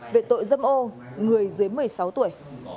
về tội giam mộ người dưới một mươi sáu tuổi